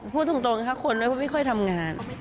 พูดตรงนะคะคนไม่ค่อยทำงาน